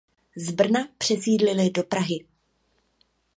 Z Brna přesídlili do Prahy.